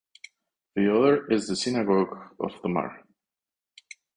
The other is the Synagogue of Tomar.